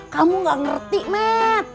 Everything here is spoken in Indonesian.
kamu gak ngerti mat